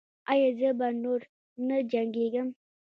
ایا زه به نور نه جنګیږم؟